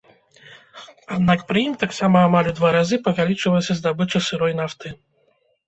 Аднак пры ім таксама амаль у два разы павялічылася здабыча сырой нафты.